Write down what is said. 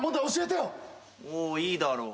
おおいいだろう。